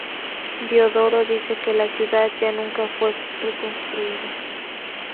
Diodoro dice que la ciudad ya nunca fue reconstruida.